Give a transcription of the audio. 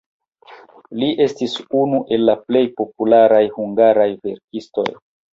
Li estis unu el plej popularaj hungaraj verkistoj.